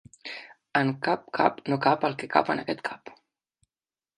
En cap cap no cap el que cap en aquest cap.